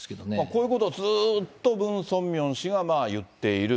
こういうことをずっとムン・ソンミョン氏が言っている。